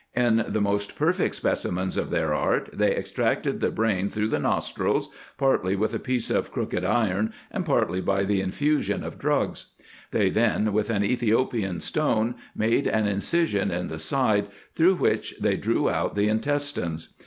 In the most perfect specimens of their art, they extracted the brain through the nostrils, partly with a piece of crooked iron, and partly by the infusion of drugs. They then, with an Ethiopian stone, made an incision in the side, through which they drew out the intestines.